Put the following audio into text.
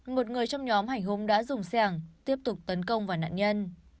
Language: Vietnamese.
một người trong nhóm hành hung đã dùng xe ẩng tiếp tục tấn công vào nạn nhân